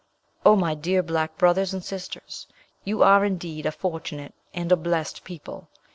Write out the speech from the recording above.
Oh, my dear black brothers and sisters, you are indeed a fortunate and a blessed people.